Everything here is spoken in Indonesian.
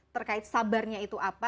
terkait sabarnya itu apa